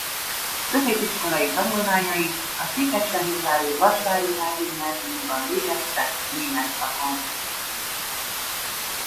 Középiskolai tanulmányait a székesfehérvári Vasvári Pál Gimnáziumban végezte német szakon.